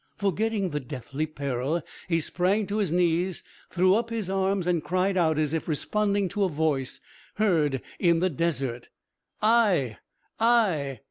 Forgetting the deathly peril, he sprang to his knees, threw up his arms and cried out, as if responding to a voice heard in the desert. "I!... I!..."